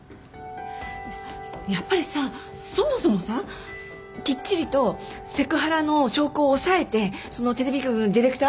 やっぱりさそもそもさきっちりとセクハラの証拠を押さえてそのテレビ局のディレクター？